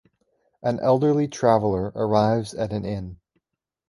An elderly traveler arrives at an inn.